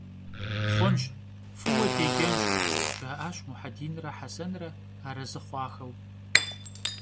Xhunş, f'ıue dêcenş, - jja'aş Muhedinre Hesenre, arezı xhuaxeu.